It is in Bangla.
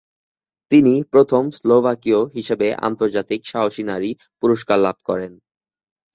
তিনি প্রথম স্লোভাকীয় হিসেবে আন্তর্জাতিক সাহসী নারী পুরস্কার লাভ করেছেন।